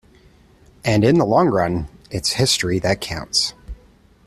And in the long run, it's history that counts.